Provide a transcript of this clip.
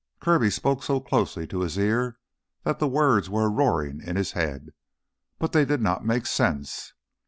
Kirby spoke so closely to his ear that the words were a roaring in his head. But they did not make sense.